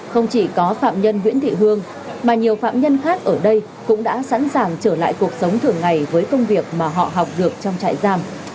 không chỉ có phạm nhân nguyễn thị hương mà nhiều phạm nhân khác ở đây cũng đã sẵn sàng trở lại cuộc sống thường ngày với công việc mà họ học được trong trại giam